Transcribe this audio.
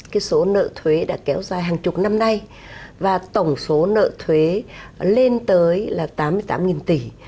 cái số nợ thuế đã kéo dài hàng chục năm nay và tổng số nợ thuế lên tới là tám mươi tám tỷ